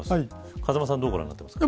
風間さん、どうご覧になっていますか。